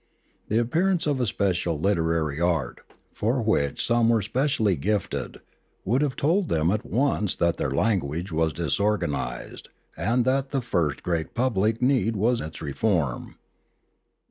The appearance of a special literary art, for which some were specially gifted, would have told them at once that their language was disorganised and that the first great public need was its reform.